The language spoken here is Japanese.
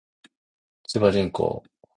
千葉銀行